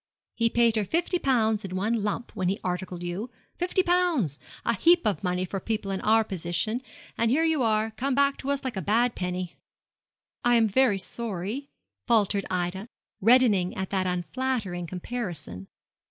He paid her fifty pounds in one lump when he articled you fifty pounds a heap of money for people in our position; and here you are, come back to us like a bad penny.' 'I am very sorry,' faltered Ida, reddening at that unflattering comparison.